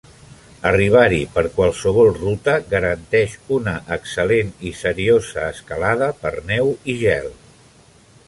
Arribar-hi per qualsevol ruta garanteix una "excel·lent i seriosa escalada per neu i gel".